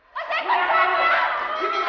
mas eko jangan